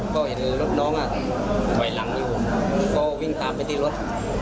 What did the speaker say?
ก็เห็นรถน้องถอยหลังอยู่ผมก็วิ่งตามไปที่รถ